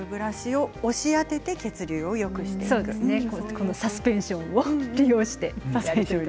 このサスペンションを利用して。